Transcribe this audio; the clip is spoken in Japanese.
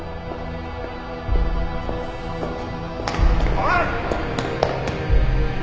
おい！